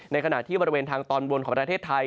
ขณะที่บริเวณทางตอนบนของประเทศไทย